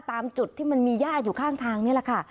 ตามจุดที่มันมีย่าอยู่ข้างทางนี่แหละค่ะ